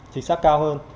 chính xác cao hơn